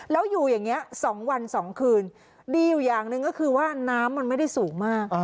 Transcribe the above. แล้วอยู่อย่างนี้๒วัน๒คืนดีอยู่อย่างหนึ่งก็คือว่าน้ำมันไม่ได้สูงมาก